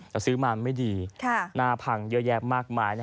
แต่ซื้อมาไม่ดีหน้าพังเยอะแยะมากมาย